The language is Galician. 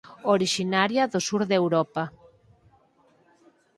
Orixinaria do sur de Europa.